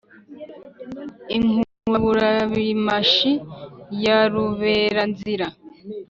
inkaburabimashi ya ruberanziza